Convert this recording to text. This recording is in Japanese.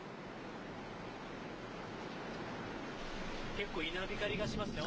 結構、稲光がしますね。